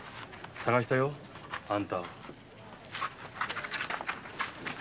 捜したよあんたを。